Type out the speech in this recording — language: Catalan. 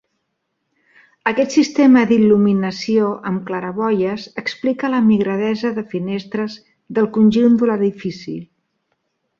Aquest sistema d'il·luminació amb claraboies explica la migradesa de finestres del conjunt de l'edifici.